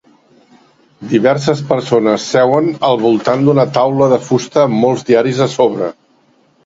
Diverses persones seuen al volant d'una taula de fusta amb molts diaris a sobre